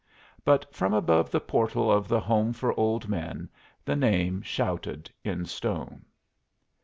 But from above the portal of the Home for Old Men the name shouted in stone.